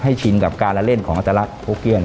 ให้ชินกับการละเล่นของอาจารย์ฮุกเกี้ยน